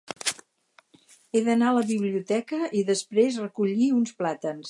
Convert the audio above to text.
He d'anar a la biblioteca i després recollir uns plàtans.